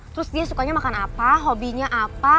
terus dia sukanya makan apa hobinya apa